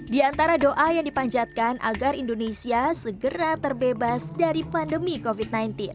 di antara doa yang dipanjatkan agar indonesia segera terbebas dari pandemi covid sembilan belas